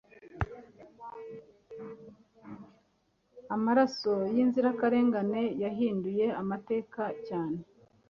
amaraso yinzirakarengane yahinduye amateka cyane